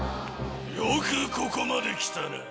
よくここまで来たな。